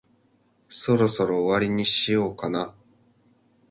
そろそろ終わりにしようかな。